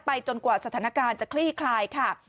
จนกว่าสถานการณ์จะคลี่คลายค่ะ